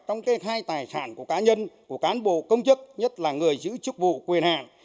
trong kê khai tài sản của cá nhân của cán bộ công chức nhất là người giữ chức vụ quyền hạn